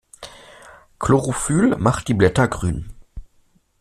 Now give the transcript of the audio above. Chlorophyll macht die Blätter grün.